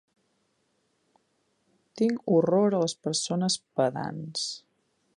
Tinc horror a les persones pedants.